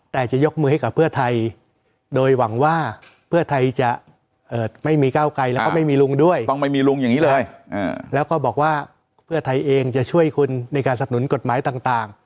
แล้วก็ไม่มีลุงด้วยต้องไม่มีลุงอย่างนี้เลยแล้วก็บอกว่าเพื่อไทยเองจะช่วยคุณในการสนุนกฎหมายต่าง